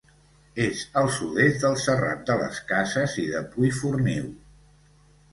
És al sud-est del Serrat de les Cases i de Puiforniu.